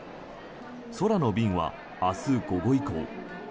空の便は明日午後以降。